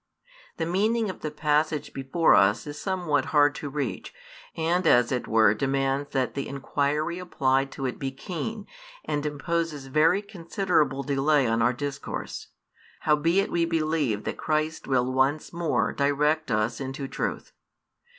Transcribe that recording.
The meaning of the passage before us is somewhat hard to reach, and as it were demands that the inquiry applied to it be keen, and imposes very considerable delay on our discourse: howbeit we believe that Christ |311 will once more direct us into truth.